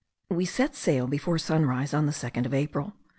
We set sail before sunrise, on the 2nd of April.